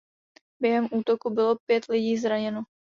Během útoku bylo pět lidí zraněno.